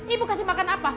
ibu kasih makan apa